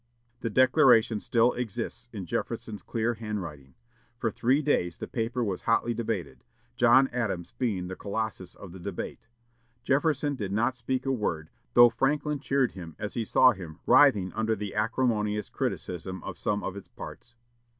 The Declaration still exists in Jefferson's clear handwriting. For three days the paper was hotly debated, "John Adams being the colossus of the debate." Jefferson did not speak a word, though Franklin cheered him as he saw him "writhing under the acrimonious criticism of some of its parts."